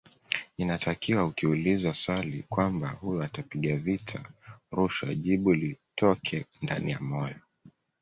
Inatakiwa ukiulizwa swali kwamba huyu atapiga vita rushwa jibu litoke ndani ya moyo